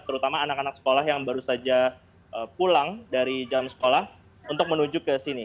terutama anak anak sekolah yang baru saja pulang dari jam sekolah untuk menuju ke sini